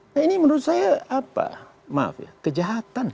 nah ini menurut saya apa maaf ya kejahatan